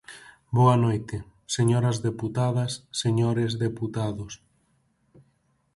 Boa noite, señoras deputadas, señores deputados.